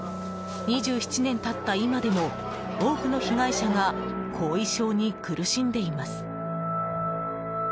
２７年経った今でも多くの被害者が後遺症に苦しんでいます。